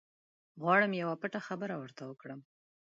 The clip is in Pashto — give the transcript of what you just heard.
غواړم یوه پټه خبره ورته وکړم.